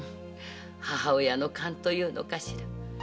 母親の勘というのかしら。